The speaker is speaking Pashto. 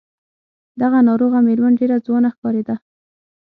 دغه ناروغه مېرمن ډېره ځوانه ښکارېده.